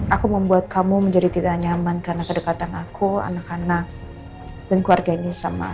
aku membuat kamu menjadi tidak nyaman karena kedekatan aku anak anak dan keluarganya sama